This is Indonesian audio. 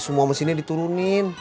semua mesinnya diturunin